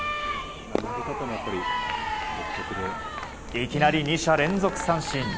いきなり２者連続三振。